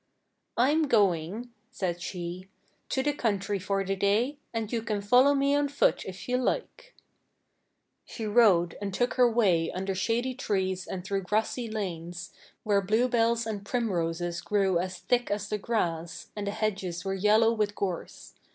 'I'm going,' said she, 'to the country for the day, and you can follow me on foot if you like.' She rode and took her way under shady trees and through grassy lanes, where blue bells and primroses grew as thick as the grass, and the hedges were yellow with gorse.